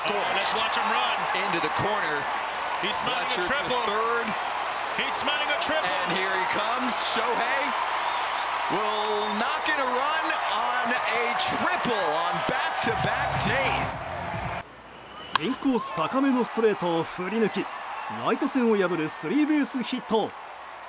インコース高めのストレートを振り抜きライト線を破るスリーベースヒット。